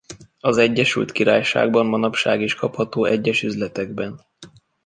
Az Egyesült Királyságban manapság is kapható egyes üzletekben.